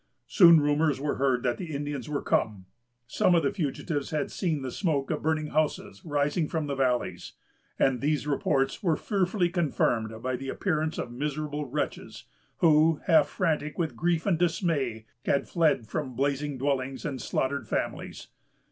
Soon rumors were heard that the Indians were come. Some of the fugitives had seen the smoke of burning houses rising from the valleys; and these reports were fearfully confirmed by the appearance of miserable wretches, who, half frantic with grief and dismay, had fled from blazing dwellings and slaughtered families.